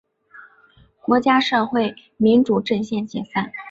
国家社会民主阵线解散。